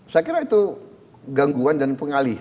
saya kira itu gangguan dan kebencian itu